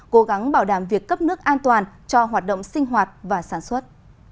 cố gắng bảo đảm việc cấp nước an toàn cho hoạt động sinh hoạt và sản xuất